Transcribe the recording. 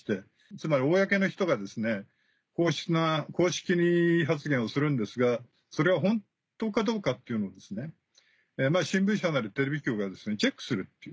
つまり公の人が公式に発言をするんですがそれはホントかどうかというのを新聞社なりテレビ局がチェックするっていう。